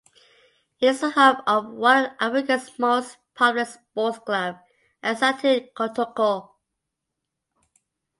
It is the home of one of Africa's most popular sports club, Asante Kotoko.